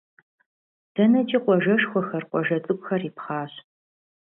ДэнэкӀи къуажэшхуэхэр, къуажэ цӀыкӀухэр ипхъащ.